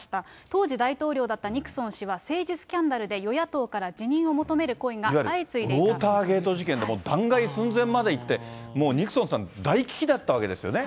当時、大統領だったニクソン氏は、政治スキャンダルで、与野党から辞任を求める声が相次いでいた。いわゆるウォーターゲート事件って、もう弾劾寸前までいって、もうニクソンさん、大危機だったわけですよね。